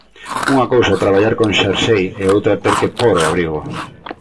Unha cousa é traballar con xersei e outra ter que pór o abrigo.